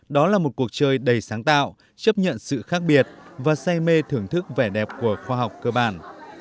đó là một cuộc chơi đầy sáng tạo chấp nhận sự khác biệt và say mê thưởng thức vẻ đẹp của khoa học cơ bản